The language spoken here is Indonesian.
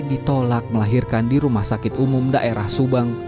ditolak melahirkan di rumah sakit umum daerah subang